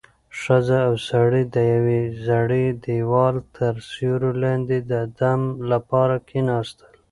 ښځه او سړی د یوې زړې دېوال تر سیوري لاندې د دم لپاره کېناستل.